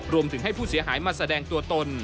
รวมถึงให้ผู้เสียหายมาแสดงตัวตน